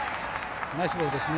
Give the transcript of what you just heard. ナイスボールですね。